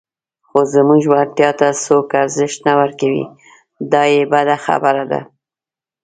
خو زموږ وړتیا ته څوک ارزښت نه ورکوي، دا یې بده خبره ده.